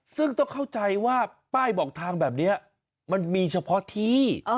ซึ่งต้องเข้าใจว่าป้ายบอกทางแบบนี้มันมีเฉพาะที่